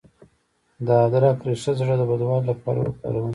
د ادرک ریښه د زړه بدوالي لپاره وکاروئ